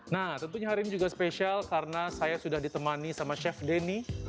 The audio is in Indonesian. nah tentunya hari ini juga spesial karena saya sudah ditemani sama chef denny